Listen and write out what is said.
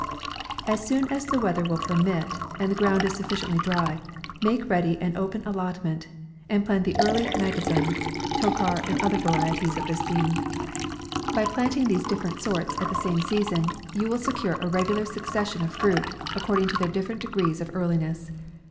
As soon as the weather will permit, and the ground is sufficiently dry, make ready an open allotment, and plant the early Mazagan, Tokar, and other varieties of this bean. By planting these different sorts at the same sea >IAY. S3 son, you will secure a regular succession of fruit, according to their different degrees of earliness.